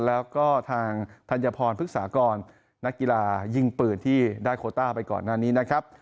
แล้วก็ทางธัญพรพฤกษากรนักกีฬายิงปืนที่ได้โคต้าไปก่อนหน้านี้นะครับ